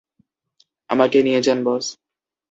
আমাকে নিয়ে যান, বস।